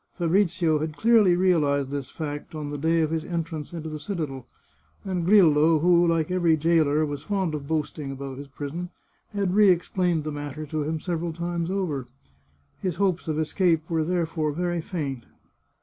Fabrizio had clearly realized this fact on the day of his entrance into the citadel, and Grillo, who, like every jailer, was fond of boasting about his prison, had re explained the matter to him several times over. His hopes of escape were therefore very faint.